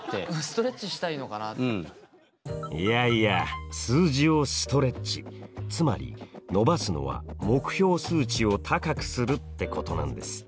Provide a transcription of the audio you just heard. いやいや数字をストレッチつまり伸ばすのは目標数値を高くするってことなんです。